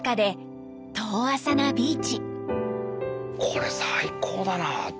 これ最高だな。